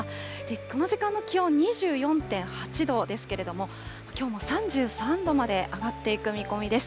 この時間の気温２４．８度ですけれども、きょうも３３度まで上がっていく見込みです。